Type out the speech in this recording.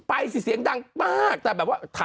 สิเสียงดังมากแต่แบบว่า